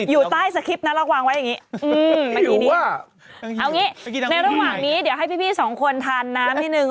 อยากให้พี่๒คนทานน้ำที่นึง